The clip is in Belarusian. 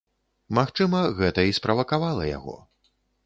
Магчыма, гэта і справакавала яго.